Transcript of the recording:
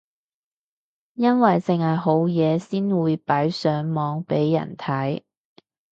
因為剩係好嘢先會擺上網俾人睇